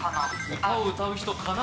「歌を歌う人かな？」